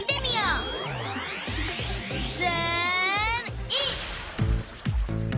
ズームイン。